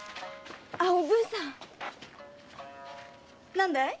何だい？